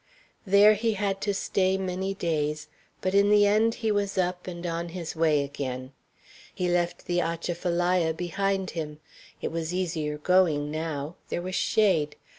There he had to stay many days; but in the end he was up and on his way again. He left the Atchafalaya behind him. It was easier going now. There was shade.